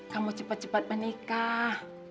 kamu cepat cepat menikah